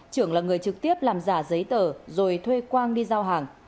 trưởng là người trực tiếp làm giả giấy tờ rồi thuê quang đi giao hàng